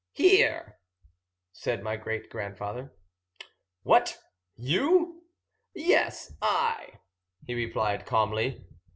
"Here," said my great grandfather. "What! You?" "Yes, I," he replied calmly.